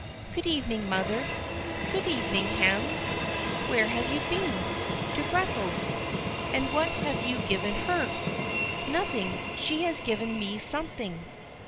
"Good evening, mother." "Good evening, Hans. Where have you been?" "To Grethel's." "And what have you given her?" "Nothing; she has given me something."